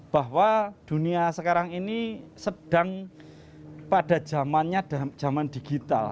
bahwa dunia sekarang ini sedang pada zamannya zaman digital